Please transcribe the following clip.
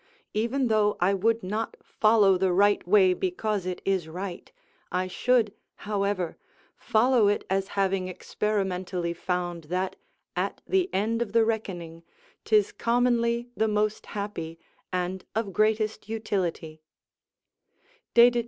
Even though I would not follow the right way because it is right, I should, however, follow it as having experimentally found that, at the end of the reckoning, 'tis commonly the most happy and of greatest utility.